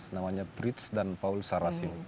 namanya pritz dan paul sarrazin